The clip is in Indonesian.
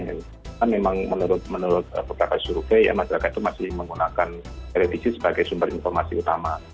karena memang menurut beberapa survei ya masyarakat itu masih menggunakan televisi sebagai sumber informasi utama